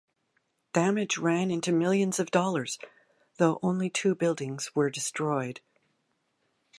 Damage ran into millions of dollars, though only two buildings were destroyed.